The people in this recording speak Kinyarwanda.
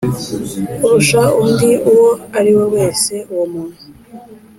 Kurusha undi uwo ari we wese uwo muntu